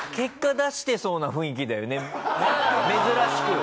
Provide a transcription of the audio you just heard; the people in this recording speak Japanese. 珍しく。